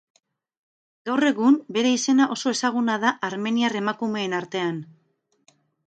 Gaur egun, bere izena oso ezaguna da armeniar emakumeen artean.